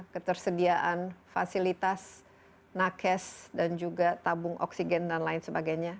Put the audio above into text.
ketersediaan fasilitas nakes dan juga tabung oksigen dan lain sebagainya